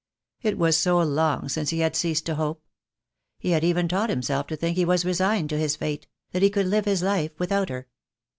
It was so long since he had ceased to hope. He had even taught himself to think he was resigned to his fate, that he could live his life without her.